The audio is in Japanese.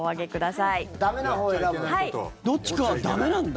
どっちかは駄目なんだ。